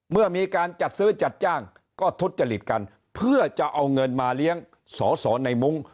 เมื่อมีการจัดซื้อจัดจ้างก็ทุจริตกันเพื่อจะเอาเงินมาเลี้ยงสอสอในมุ้ง